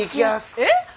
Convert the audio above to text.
えっ？